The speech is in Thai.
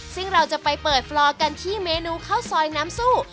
ซึ่งเราจะไปเปิดฟลอกันที่เมนูข้าวซอยน้ำซู่